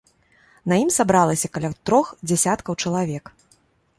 На ім сабралася каля трох дзясяткаў чалавек.